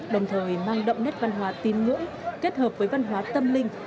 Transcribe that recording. đồng thời mang đậm nét văn hóa tin ngưỡng kết hợp với văn hóa tâm linh